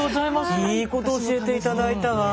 いいこと教えて頂いたわ。